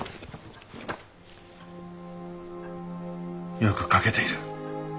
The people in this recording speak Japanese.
よく描けている。